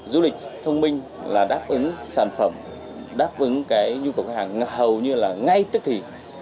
du lịch thông minh là đáp ứng sản phẩm đáp ứng cái nhu cầu khách hàng hầu như là ngay tức thì